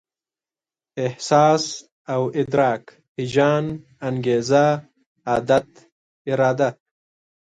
احساس او ادراک، هيجان، انګېزه، عادت، اراده